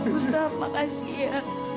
gustaf makasih ya